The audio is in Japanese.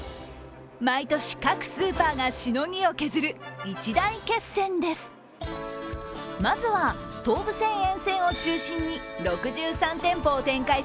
毎年各スーパーがしのぎを削る一大決戦です。